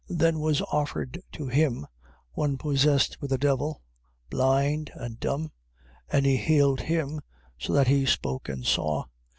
12:22. Then was offered to him one possessed with a devil, blind and dumb: and he healed him, so that he spoke and saw.